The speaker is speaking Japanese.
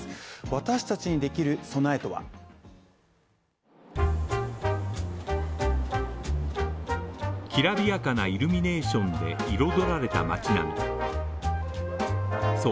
私達にできる備えとはきらびやかなイルミネーションで彩られた街並みそう